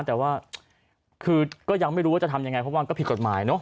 แต่ว่าคือก็ยังไม่รู้ว่าจะทำยังไงเพราะมันก็ผิดกฎหมายเนอะ